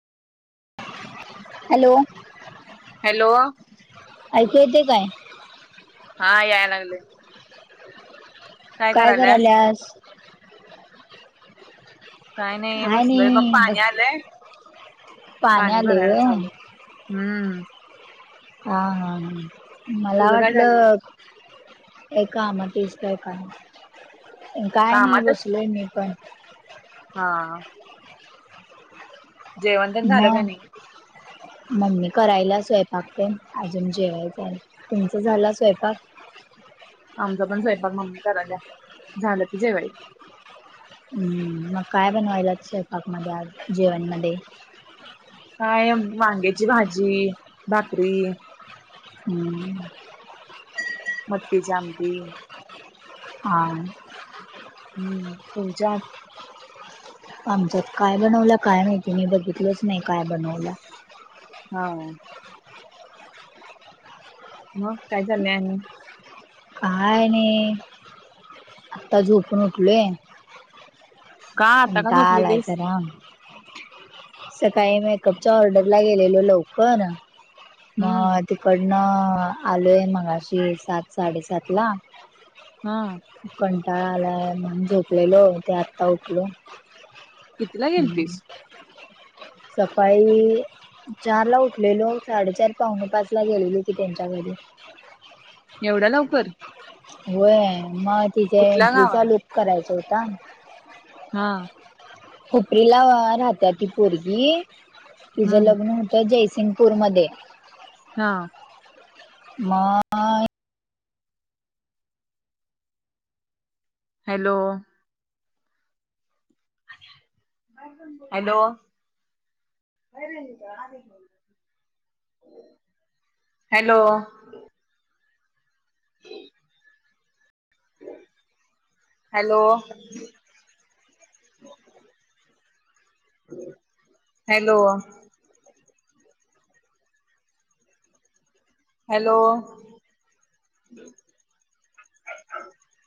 Hello. Hello ऐकू येते काय. हा याय लागले. काय कराल आज? काय नाहीय बसलय बघ पाणी आलंय पाणी आले भराय व्हय चालंय. हम्म हा हा ह मला तुझं काय चाललंय वाटलं. एका आमातस काय का आहे काय नाही कामातच बसलोय मी पण. हा जेवण पण झालं म [unintelligible] मममी करायला स्वयंपाक प अजून जेवायचं आहे, तुमचं झालं स्वयंपाक? आमचां पण जायपाग मम्मी करायला झालं की जेवायच. हम्म मग काय बनवायला स्वपाक मध्ये जेवणमध्ये? काय वांग्याची भाजी, भाकरी हम्म मटकीची आमटी. ह हम्म त जा आमच्यात काय बनवलं काय माहिती मी बघितलंच नाही काय बनवलं. हा मग काय चाललं आणि? काय नाही आत्ता झोपून उठलय. का आता का कंटाळा आलाय झोपलेलीस जरा. सकाळी मेकअपच्या ऑर्डरला गेलेलो लवकर. हम्म मग तिकडनं आलोय मगाशी सात साडेसात ला. हा कंटाळा आला म्हण झोपलेलो ते आत्ता उकलो. कितीला गेलतीस सकाळी मी चार ला उठलेलो साडेचार पावुणे पाच ला गेलेलो की त्यांच्या घरी. एवढा लवकर? होय मग तिथे कुठल्या एंट्रीचा गावाला लूप करायचा होता. हा खपरीला राहत्या ती पोरगी तिच हम्म लग्न होत. तर जयसिंगपूरमध्ये हा माय hello hello hello hello hello hello